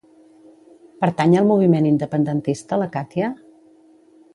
Pertany al moviment independentista la Katia?